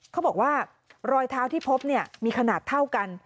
เขาบอกว่ารอยเท้าที่พบเนี่ยมีขนาดเท่ากัน